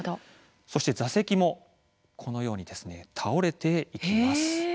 座席もこのように倒れていきます。